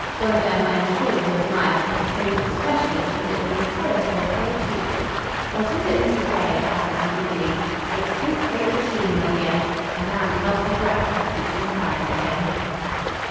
One of them I am sure you will admire. I chose it specially because it will give color to your pale cheeks." "What is it, Mrs. Gray?" asked Anne eagerly. "It's pink crepe de Chine, my dear." And Anne held her breath to keep from crying again.